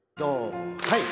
はい。